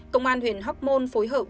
công an huyện hoc mon phối hợp